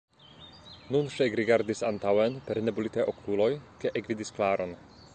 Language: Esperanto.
Nun ŝi ekrigardis antaŭen per nebulitaj okuloj kaj ekvidis Klaron.